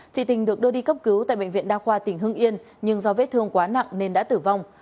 chị tình được đưa đi cấp cứu tại bệnh viện đa khoa tỉnh hưng yên nhưng do vết thương quá nặng nên đã tử vong